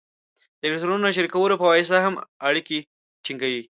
د الکترونونو شریکولو په واسطه هم اړیکې ټینګوي.